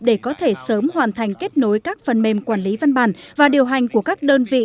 để có thể sớm hoàn thành kết nối các phần mềm quản lý văn bản và điều hành của các đơn vị